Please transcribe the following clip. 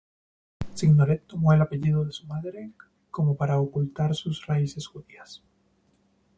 Signoret tomó el apellido de su madre como para ocultar sus raíces judías.